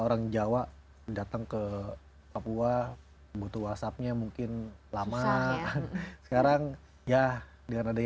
orang jawa datang ke papua butuh whatsapp nya mungkin lama sekarang yah di aroundling